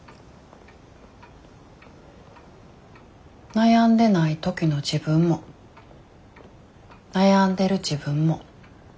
悩んでない時の自分も悩んでる自分も自分。